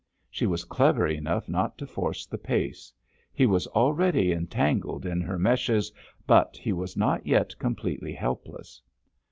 She was clever enough not to force the pace; he was already entangled in her meshes, but he was not yet completely helpless.